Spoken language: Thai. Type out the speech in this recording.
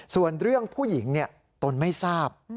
ส่วนเรื่องผู้หญิงตนไม่ทราบ